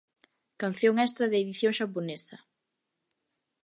Canción extra da edición xaponesa